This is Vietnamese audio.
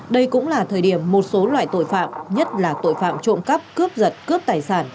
đây cũng là thời điểm một số loại tội phạm nhất là tội phạm trộm cắp cướp giật cướp tài sản